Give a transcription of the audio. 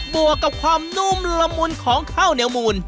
วกกับความนุ่มละมุนของข้าวเหนียวมูล